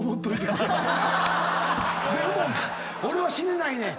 でも俺は死ねないねん。